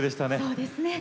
そうですね。